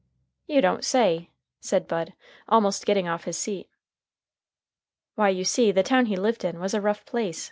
"You don't say?" said Bud, almost getting off his seat. "Why, you see the town he lived in was a rough place.